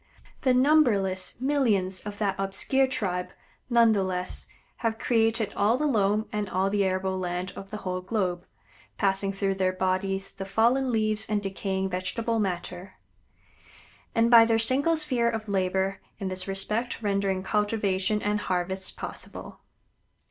The numberless millions of that obscure tribe, none the less, have created all the loam and all the arable land of the whole globe, passing through their bodies the fallen leaves and decaying vegetable matter; and by their single sphere of labor in this respect rendering cultivation and harvests possible.